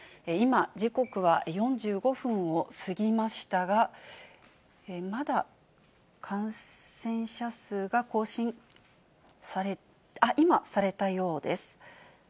今、時刻は４５分を過ぎましたが、まだ感染者数が更新されて、あっ、今、されたようです。